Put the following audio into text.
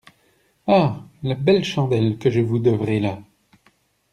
Ah la belle chandelle que je vous devrai là!